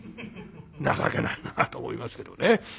情けないなあと思いますけどね。